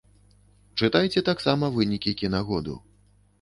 Чытайце таксама вынікі кінагоду.